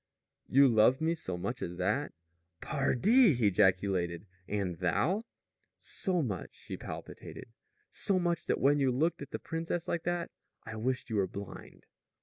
"You love me so much as that?" "Pardi!" he ejaculated. "And thou?" "So much," she palpitated, "so much that when you looked at the princess like that I wished you were blind!"